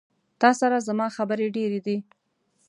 تا سره زما خبري ډيري دي